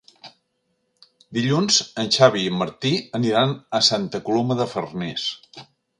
Dilluns en Xavi i en Martí aniran a Santa Coloma de Farners.